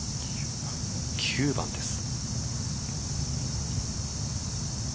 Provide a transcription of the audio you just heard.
９番です。